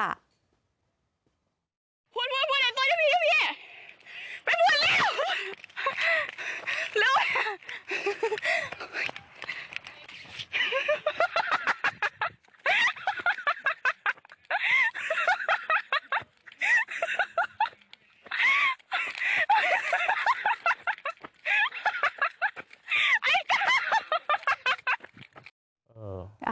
ห้า